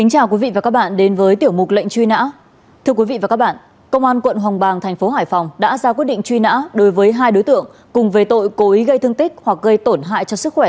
hãy đăng ký kênh để ủng hộ kênh của chúng mình nhé